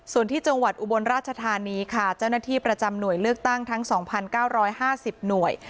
ส่วนที่จังหวัดอุบลราชธานี้ค่ะเจ้าหน้าที่ประจำหน่วยเลือกตั้งทั้งสองพันเก้าร้อยห้าสิบหน่วย